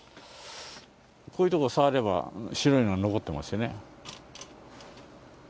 こういうとこ触れば、白いの残ってますよね。